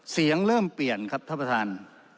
เสียงเริ่มเปลี่ยนครับท่านประธาน